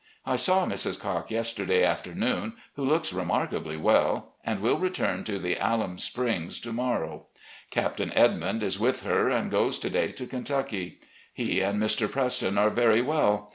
I saw Mrs. Cocke yesterday afternoon, who looks remarkably well, and will return to the Alum [Springs] to morrow. Captain Edmtmd is with her and goes to day to Kentucky. He and Mr. Preston are very well.